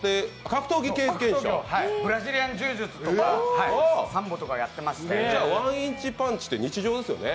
格闘技を、ブラジリアン柔術とかサンボとかやってましてワンインチパンチって日常ですよね？